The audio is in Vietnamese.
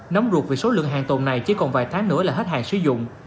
nắm ruột vì số lượng hàng tồn này chỉ còn vài tháng nữa là hết hàng sử dụng